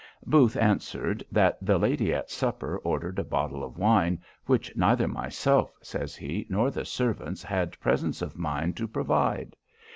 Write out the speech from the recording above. Booth answered, That the lady at supper ordered a bottle of wine, "which neither myself," says he, "nor the servants had presence of mind to provide.